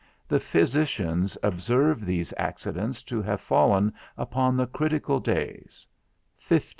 The Physicians observe these accidents to have fallen upon the critical days 88 15.